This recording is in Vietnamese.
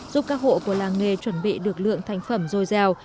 giúp các hộ của làng nghề chuẩn bị được lượng thành phẩm dồi dào